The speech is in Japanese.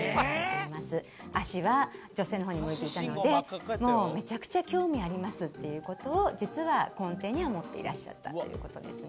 足は女性の方に向いていたのでもうめちゃくちゃ興味ありますっていう事を実は根底には持っていらっしゃったという事ですね。